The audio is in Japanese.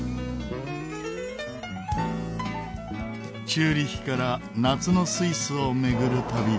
チューリヒから夏のスイスを巡る旅。